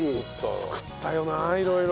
作ったよな色々。